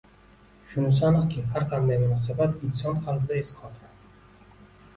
Shunisi aniqki, har qanday munosabat inson qalbida iz qoldiradi